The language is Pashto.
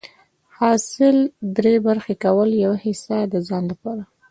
حاصل دری برخي کول، يوه حيصه د ځان لپاره